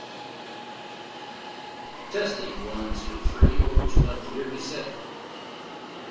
It explores the problems and issues faced by them.